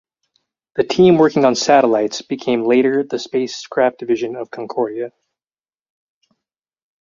The team working on satellites became later the Spacecraft division of Space Concordia.